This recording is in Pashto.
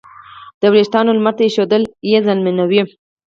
د وېښتیانو لمر ته ایښودل یې زیانمنوي.